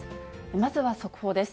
まずは速報です。